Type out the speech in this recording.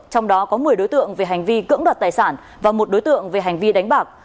trong đó có một mươi đối tượng về hành vi cưỡng đoạt tài sản và một đối tượng về hành vi đánh bạc